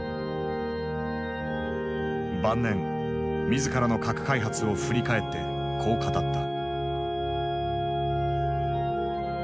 晩年自らの核開発を振り返ってこう語った。